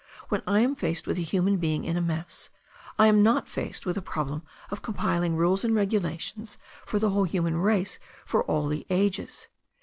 When I am faced with a human being in a mess I am not faced with the problem of compiling rules and regulations for the whole human race for all the ages.